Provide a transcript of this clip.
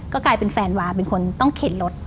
ก็กลายเป็นแฟนวาเป็นคนต้องเข็นรถ